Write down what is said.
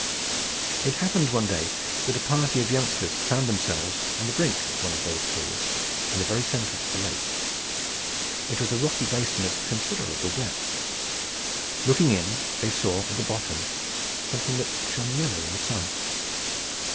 It happened one day that a party of youngsters found themselves on the brink of one of these pools in the very centre of the lake. It was a rocky basin of considerable depth. Looking in, they saw at the bottom something that shone yellow in the sun.